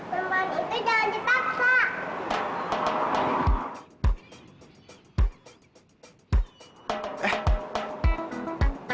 teman itu jangan dipaksa